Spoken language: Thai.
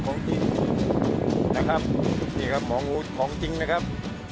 ของจริงนะครับนี่ครับของงูของจริงนะครับ